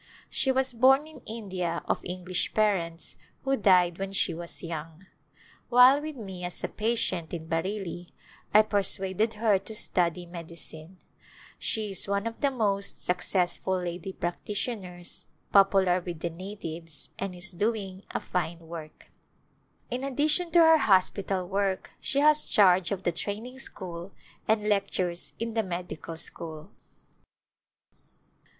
She was born in India of English parents who died when she was young. While with me as ^ patient in Bareilly I persuaded her to study medicine. She is one of the most suc cessful lady practitioners, popular with the natives, and is doing a fine work. In addition to her hospital work she has charge of the Training School, and lec tures in the Medical School.